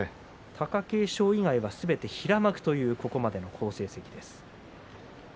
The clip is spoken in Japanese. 貴景勝以外はすべて平幕というここまでの好成績です。